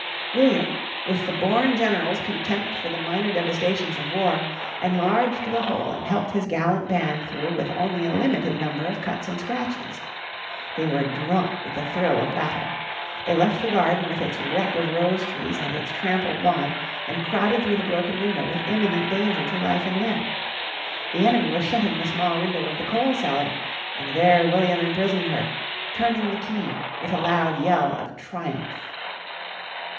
William, with the born general's contempt for the minor devastations of war, enlarged the hole and helped his gallant band through with only a limited number of cuts and scratches. They were drunk with the thrill of battle. They left the garden with its wreck of rose trees and its trampled lawn and crowded through the broken window with imminent danger to life and limb. The enemy was shutting the small window of the coal cellar, and there William imprisoned her, turning the key with a loud yell of triumph.